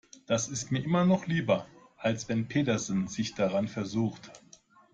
Das ist mir immer noch lieber, als wenn Petersen sich daran versucht.